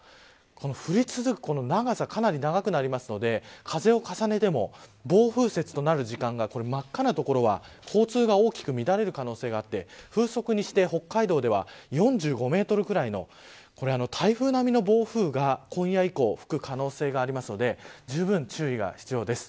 降り続く長さかなり長くなるので風を重ねても暴風雪となる時間が真っ赤な所は交通が大きく乱れる可能性があって風速にして、北海道では４５メートルぐらいの台風並みの暴風が今夜以降吹く可能性があるのでじゅうぶん注意が必要です。